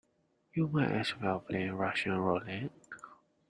You might as well play Russian roulette.